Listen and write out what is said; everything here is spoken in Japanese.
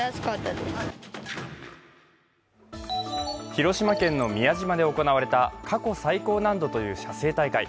広島県の宮島で行われた過去最高難度という写生大会。